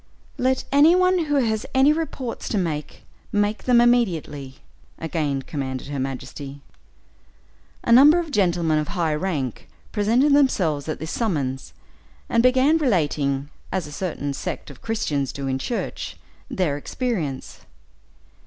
"Let any one who has any reports to make, make them immediately," again commanded her majesty. A number of gentlemen of high rank, presented themselves at this summons, and began relating, as a certain sect of Christians do in church, their experience!